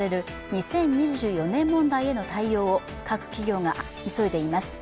２０２４年問題への対応を各企業が急いでいます。